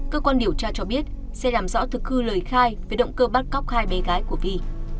cơ quan điều tra cho biết sẽ làm rõ thực hư lời khai với động cơ bắt cóc hai bé gái của vi